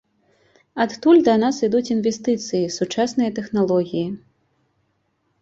Адтуль да нас ідуць інвестыцыі, сучасныя тэхналогіі.